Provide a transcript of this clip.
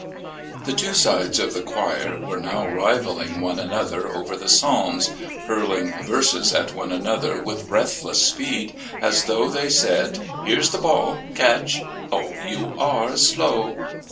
The two sides of the choir were now rivalling one another over the psalms, hurling verses at one another with breathless speed, as though they said: "Here's the ball. Catch. Oh, you are slow!"